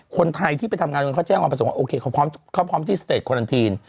คนไทยที่ไปทำงานเขาแจ้งความประสงค์ว่าโอเคเขาพร้อมที่สเตจควาลันทีน